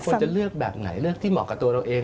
จะเลือกแบบไหนเลือกที่เหมาะกับตัวเราเอง